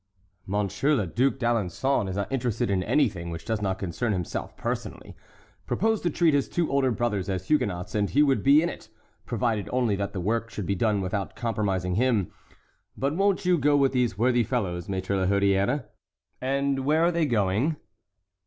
"Monseigneur le Duc d'Alençon is not interested in anything which does not concern himself personally. Propose to treat his two older brothers as Huguenots and he would be in it—provided only that the work should be done without compromising him. But won't you go with these worthy fellows, Maître La Hurière?" "And where are they going?"